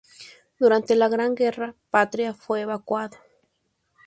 Durante la Gran Guerra Patria fue evacuado.